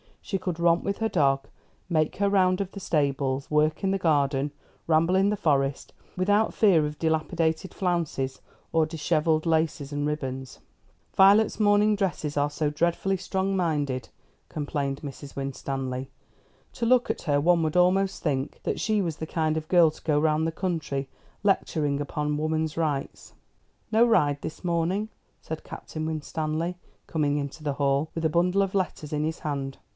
She could romp with her dog, make her round of the stables, work in the garden, ramble in the Forest, without fear of dilapidated flounces or dishevelled laces and ribbons. "Violet's morning dresses are so dreadfully strong minded," complained Mrs. Winstanley. "To look at her, one would almost think that she was the kind of girl to go round the country lecturing upon woman's rights." "No ride this morning," said Captain Winstanley, coming into the hall, with a bundle of letters in his hand.